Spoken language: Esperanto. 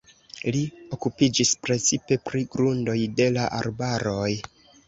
Li okupiĝis precipe pri grundoj de la arbaroj.